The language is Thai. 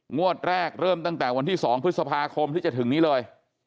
งวดแรกเริ่มตั้งแต่วันที่๒พฤษภาคมที่จะถึงนี้เลย